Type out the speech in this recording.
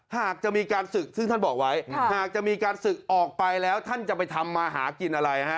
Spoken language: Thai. หากจะมีการศึกซึ่งท่านบอกไว้หากจะมีการศึกออกไปแล้วท่านจะไปทำมาหากินอะไรฮะ